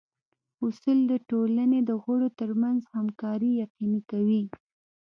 اصول د ټولنې د غړو ترمنځ همکاري یقیني کوي.